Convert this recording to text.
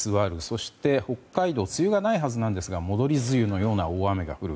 そして北海道梅雨がないはずなんですが戻り梅雨のような大雨が降る。